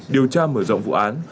điều tra mở rộng vụ án